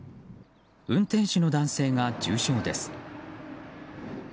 運転手の男性が重傷です。